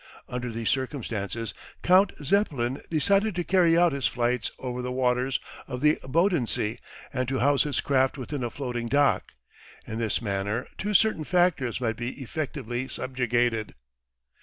Under these circumstances Count Zeppelin decided to carry out his flights over the waters of the Bodensee and to house his craft within a floating dock. In this manner two uncertain factors might be effectively subjugated.